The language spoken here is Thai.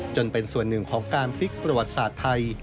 จนเป็นส่วนหนึ่งของการพลิกประวัติศาสตร์ไทย